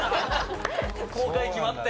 公開、決まって。